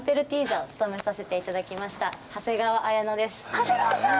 長谷川さん！